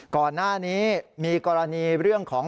ก่อนหน้านี้มีกรณีเรื่องของ